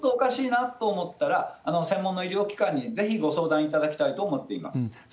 なので、ちょっとおかしいなと思ったら、専門の医療機関にぜひご相談いただきたいと思っています。